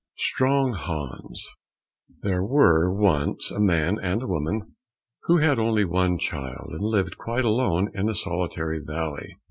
166 Strong Hans There were once a man and a woman who had an only child, and lived quite alone in a solitary valley.